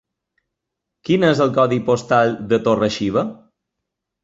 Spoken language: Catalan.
Quin és el codi postal de Torre-xiva?